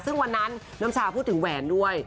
ซึ่งวันนั้นน้ำชาพูดถึงแหวนด้วย